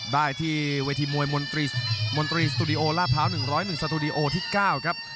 ได้ที่เวทีมวยมนตรีสตูดิโอลาดพร้าว๑๐๑สตูดิโอที่๙ครับ